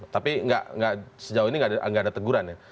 tapi sejauh ini nggak ada teguran ya